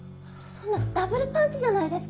そんなダブルパンチじゃないですか。